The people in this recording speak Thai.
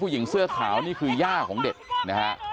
ผู้หญิงเสื้อขาวนี่คือหญ้าของเด็กนะครับ